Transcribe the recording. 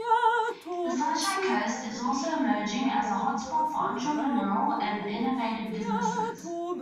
The Sunshine Coast is also emerging as a hotspot for entrepreneurial and innovative businesses.